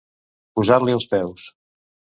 Posar-li als peus.